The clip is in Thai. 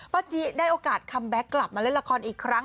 จิได้โอกาสคัมแบ็คกลับมาเล่นละครอีกครั้ง